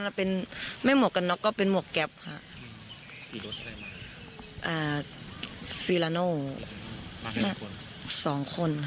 ฟิลาโน่สองคนค่ะแล้วมันพฤติกรรมมันทำในอะไรอย่างไรบ้าง